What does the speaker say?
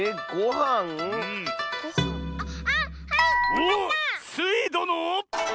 おっスイどの。